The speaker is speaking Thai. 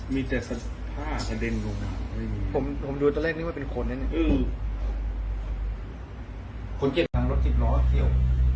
มีแต่ศาสตร์ภาษาเด่นลงผมดูตอนแรกนึงว่าเป็นคนนะเนี่ยคุณเกียรติภังรถจิบร้อนเที่ยว